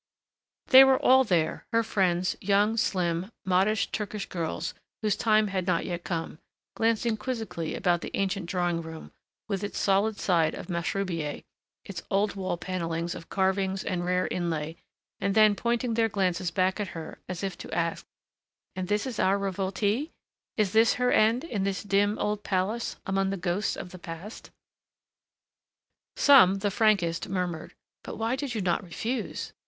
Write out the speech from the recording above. They were all there, her friends, young, slim, modish Turkish girls whose time had not yet come, glancing quizzically about the ancient drawing room, with its solid side of mashrubiyeh, its old wall panelings of carvings and rare inlay, and then pointing their glances back at her, as if to ask, "And is this our revoltée? Is this her end, in this dim, old palace among the ghosts of the past?" Some, the frankest, murmured, "But why did you not refuse?"